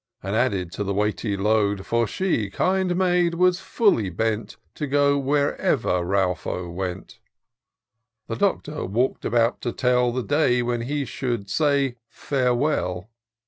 And added to the weighty load ; For she, kind maid ! was fully bent To go wherever Ralpho went. The Doctor walk'd about to tell The day when he should say — farewell